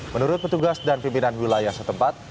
menurut petugas dan pimpinan wilayah setempat